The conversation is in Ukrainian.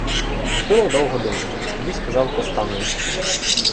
Гатило довго думав, тоді сказав Костанові: